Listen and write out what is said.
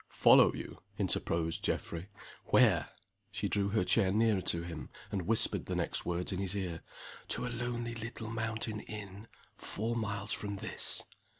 "Follow you?" interposed Geoffrey. "Where?" She drew her chair nearer to him, and whispered the next words in his ear. "To a lonely little mountain inn four miles from this."